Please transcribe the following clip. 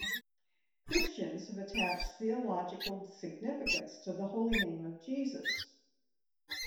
Christians have attached theological significance to the Holy Name of Jesus.